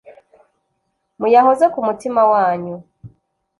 muyahoze ku mutima wanyu